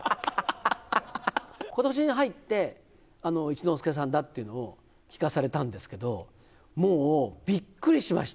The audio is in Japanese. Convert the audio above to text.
ことしに入って、一之輔さんだっていうのを聞かされたんですけど、もうびっくりしました。